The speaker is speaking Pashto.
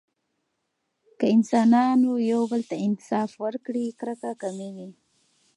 که انسانانو یو بل ته انصاف ورکړي، کرکه کمېږي.